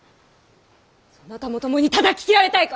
そなたも共にたたき斬られたいか！